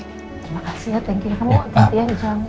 terima kasih ya thank you